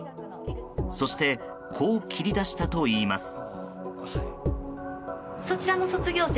そしてこう切り出したといいます。